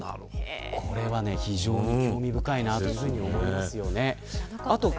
これは非常に興味深いと思います。